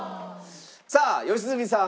さあ良純さん。